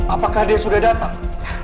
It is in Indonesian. apakah dia sudah datang